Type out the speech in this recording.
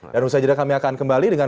dan usaha jadwal kami akan kembali dengan